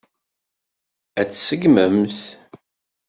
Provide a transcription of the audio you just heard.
Ad t-tseggmemt?